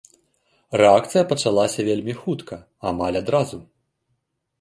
Рэакцыя пачалася вельмі хутка, амаль адразу.